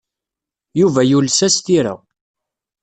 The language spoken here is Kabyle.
Yuba yules-as tira.